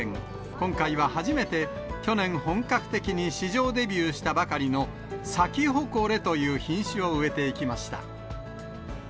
今回は初めて、去年本格的に市場デビューしたばかりのサキホコレという品種を植えていきました。